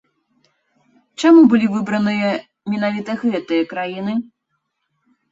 Чаму былі выбраныя менавіта гэтыя краіны?